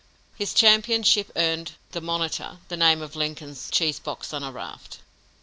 His championship earned the Monitor the name of Lincoln's "cheese box on a raft."